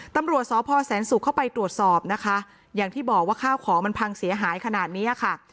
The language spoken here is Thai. ตำรวจสพแสนศุกร์เข้าไปตรวจสอบนะคะอย่างที่บอกว่าข้าวของมันพังเสียหายขนาดเนี้ยค่ะ